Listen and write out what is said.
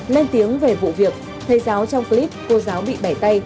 lên tiếng về vụ việc thầy giáo trong clip cô giáo bị bẻ tay